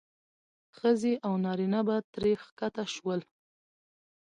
ښځې او نارینه به ترې ښکته شول.